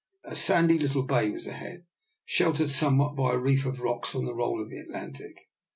A sandy little bay was ahead, sheltered somewhat by a reef of rocks from the roll of the Atlantic.